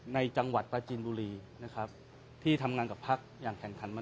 ในจังหวัดปราจินบุรีนะครับที่ทำงานกับพักอย่างแข่งขันมา